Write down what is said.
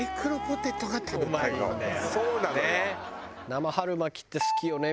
生春巻きって好きよね